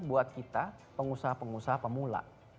buat kita pengusaha pengusaha pemula